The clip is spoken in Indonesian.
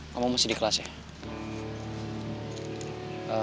kamu masih di kelas ya